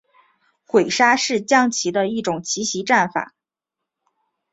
鬼杀是将棋的一种奇袭战法。